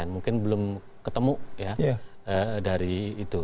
mungkin belum ketemu ya dari itu